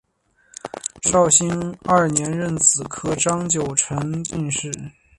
绍兴二年壬子科张九成榜进士。